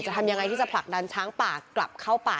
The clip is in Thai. ทำยังไงที่จะผลักดันช้างป่ากลับเข้าป่า